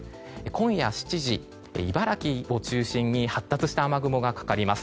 今夜７時、茨城を中心に発達した雨雲がかかります。